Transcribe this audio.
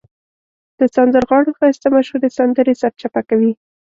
د سندرغاړو ښایسته مشهورې سندرې سرچپه کوي.